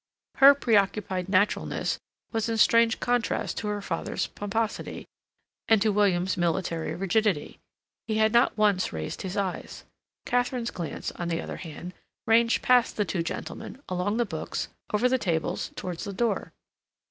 Her preoccupied naturalness was in strange contrast to her father's pomposity and to William's military rigidity. He had not once raised his eyes. Katharine's glance, on the other hand, ranged past the two gentlemen, along the books, over the tables, towards the door.